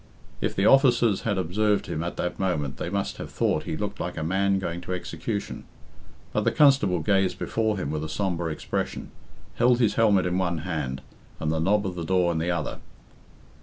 If the officers had observed him at that moment they must have thought he looked like a man going to execution. But the constable gazed before him with a sombre expression, held his helmet in one hand, and the knob of the door in the other.